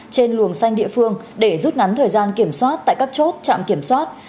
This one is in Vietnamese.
trên luồng xanh địa phương để rút ngắn thời gian kiểm soát tại các chốt trạm kiểm soát